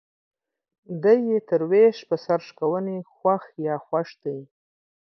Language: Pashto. دى يې تر ويش په سر شکوني خوښ دى.